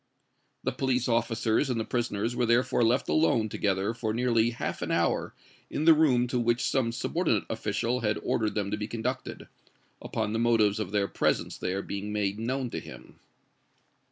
The police officers and the prisoners were therefore left alone together for nearly half an hour in the room to which some subordinate official had ordered them to be conducted, upon the motives of their presence there being made known to him.